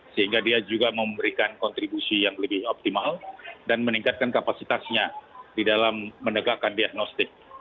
sehingga dia juga memberikan kontribusi yang lebih optimal dan meningkatkan kapasitasnya di dalam menegakkan diagnostik